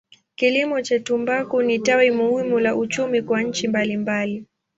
Kilimo cha tumbaku ni tawi muhimu la uchumi kwa nchi mbalimbali.